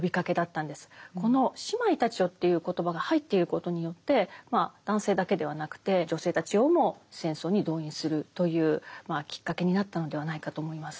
この「姉妹たちよ」という言葉が入っていることによって男性だけではなくて女性たちをも戦争に動員するというきっかけになったのではないかと思います。